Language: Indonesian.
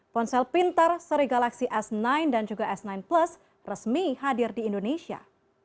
ponsel pintar seri galaxy s sembilan dan juga s sembilan plus resmi hadir di indonesia